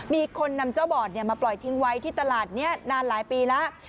มีคนนำเจ้าบอดมาปล่อยทิ้งไว้ที่ตลาดนี้นานหลายปีแล้ว